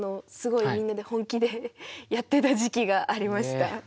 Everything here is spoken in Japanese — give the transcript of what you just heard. すごいみんなで本気でやってた時期がありました。